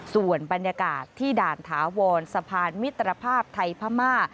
ส่วนบรรยากาศที่ด่านถาวรสะพานมิตรภาพไทยพม่า